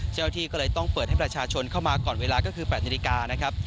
เจ้าหน้าที่ก็เลยต้องเปิดให้ประชาชนเข้ามาก่อนเวลาก็คือ๘นาฬิกานะครับ